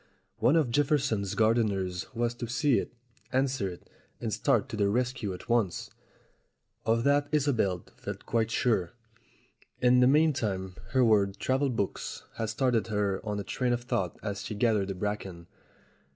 One of Jefferson's gardeners was to see it, answer it, and start to the rescue at once. Of that Isobel felt quite sure. In the meantime, her word "travel books" had started her on a train of thought as she gathered the bracken.